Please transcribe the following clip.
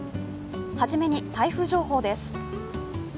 初めに台風情報です。